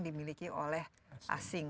dimiliki oleh asing